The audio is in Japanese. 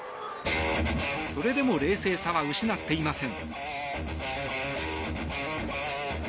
それでも冷静さは失っていません。